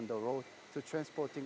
itu juga truk yang bergantung